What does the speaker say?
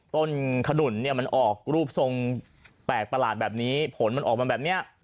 ต้นขนุนเนี่ยมันออกรูปทรงแปลกประหลาดแบบนี้ผลมันออกมาแบบนี้